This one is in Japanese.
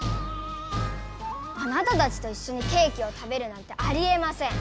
あなたたちといっしょにケーキを食べるなんてありえません！